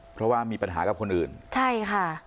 เพราะว่ามีปัญหากับคนอื่นใช่ค่ะ